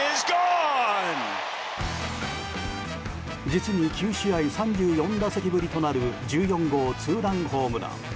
実に９試合３４打席ぶりとなる１４号ツーランホームラン。